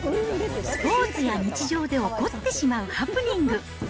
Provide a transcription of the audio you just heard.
スポーツや日常で起こってしまうハプニング。